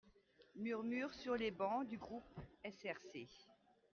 Murmures sur les bancs du groupe SRC.